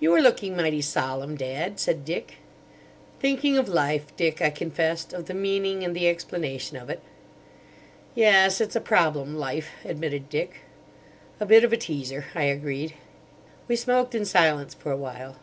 "You are looking mighty solemn, Dad," said Dick. "Thinking of Life, Dick," I confessed. "Of the meaning and the explanation of it." "Yes, it's a problem, Life," admitted Dick. "A bit of a teaser," I agreed. We smoked in silence for awhile.